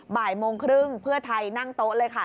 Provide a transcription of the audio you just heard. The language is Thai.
บ่ายโมงครึ่งเพื่อไทยนั่งโต๊ะเลยค่ะ